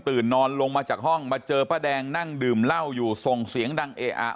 นอนลงมาจากห้องมาเจอป้าแดงนั่งดื่มเหล้าอยู่ส่งเสียงดังเออะ